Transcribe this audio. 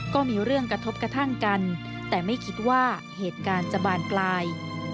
ก็มีเรื่องกระทบกระทั่งกันแต่ไม่คิดว่าเหตุการณ์จะบานปลาย